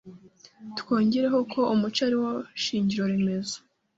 Twongereho ko umuco eri wo shingiro remezo